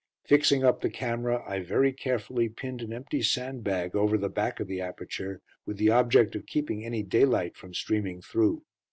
Fixing up the camera, I very carefully pinned an empty sandbag over the back of the aperture, with the object of keeping any daylight from streaming through.